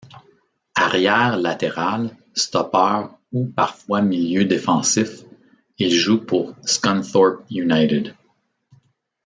Arrière latéral, stoppeur ou parfois milieu défensif, il joue pour Scunthorpe United.